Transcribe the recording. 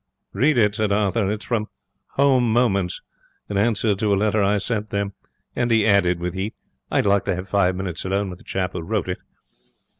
'Read it,' said Arthur. 'It's from Home Moments, in answer to a letter I sent them. And,' he added with heat, 'I'd like to have five minutes alone with the chap who wrote it.'